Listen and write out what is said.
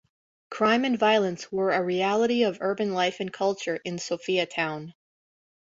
Crime and violence were a reality of urban life and culture in Sophiatown.